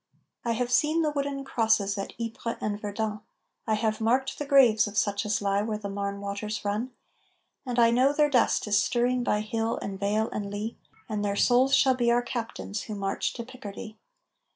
I have seen the wooden crosses at Ypres and Verdun, I have marked the graves of such as lie where the Marne waters run, And I know their dust is stirring by hill and vale and lea, And their souls shall be our captains who march to Picardy.